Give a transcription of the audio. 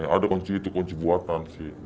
ada kunci itu kunci buatan sih